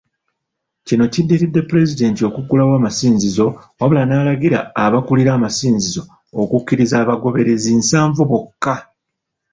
Kino kiddiridde Pulezidenti okuggulawo amasinzizo wabula n'alagira abakulira amasinzizo okukkiriza abagoberezi nsanvu bokka.